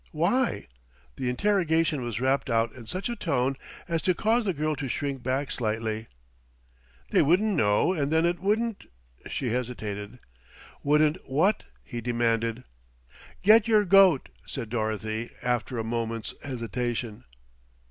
"Why?" The interrogation was rapped out in such a tone as to cause the girl to shrink back slightly. "They wouldn't know and then it wouldn't " she hesitated. "Wouldn't what?" he demanded. "Get your goat," said Dorothy after a moment's hesitation.